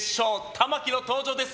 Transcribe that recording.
玉城の登場です。